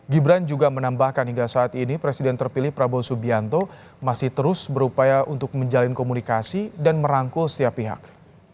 gibran juga menambahkan hingga saat ini presiden terpilih prabowo subianto masih terus berupaya untuk menjalin komunikasi dan merangkul setiap pihak